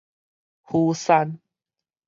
釜山